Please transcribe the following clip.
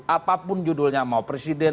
apapun judulnya mau presiden